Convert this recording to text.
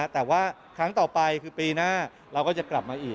แต่ว่าครั้งต่อไปคือปีหน้าเราก็จะกลับมาอีก